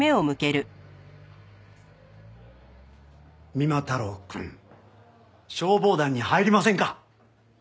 三馬太郎くん消防団に入りませんか？